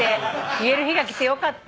言える日が来てよかった。